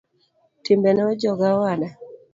Timbene ojoga owada.